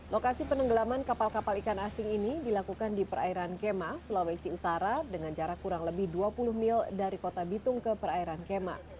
lokasi penenggelaman kapal kapal ikan asing ini dilakukan di perairan kema sulawesi utara dengan jarak kurang lebih dua puluh mil dari kota bitung ke perairan kema